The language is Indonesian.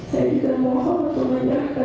saya juga mohon untuk menyerahkan